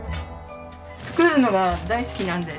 作るのが大好きなんです。